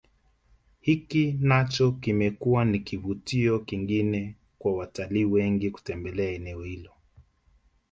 Hiki nacho kimekuwa ni kivutio kingine kwa watalii wengi kutembelea eneo hilo